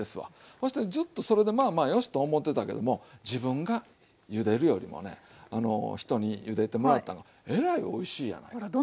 そしてずっとそれでまあまあ良しと思ってたけども自分がゆでるよりもね人にゆでてもらったんがえらいおいしいやないかと。